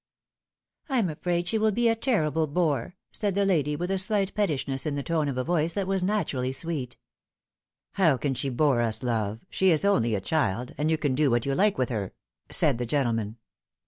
" I'M afraid she will be a terrible bore," said the lady, with a Blight pettishness in the tone of a voice that was naturally sweet. " How can she bore us, love ? She is only a child, and you can do what you like with her," said the gentleman.